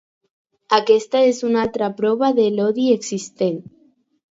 Aquesta és una altra prova de l’odi existent.